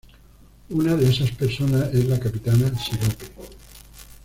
Una de esas personas es la Capitana Sirope.